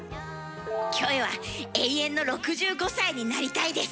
キョエは永遠の６５歳になりたいです。